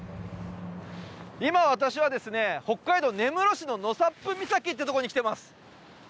今、私は北海道根室市の納沙布岬というところに来ています。